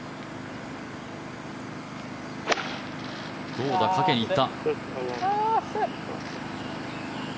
どうだ、かけに行った。